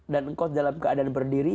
dan engkau dalam keadaan berdiri